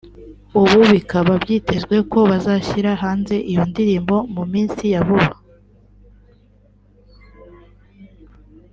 ubu bikaba byitezwe ko bazashyira hanze iyo ndirimbo mu minsi ya vuba